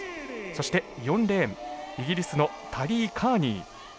そして４レーンイギリスのタリー・カーニー。